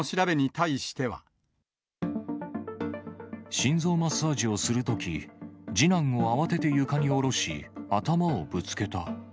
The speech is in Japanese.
心臓マッサージをするとき、次男を慌てて床に下ろし、頭をぶつけた。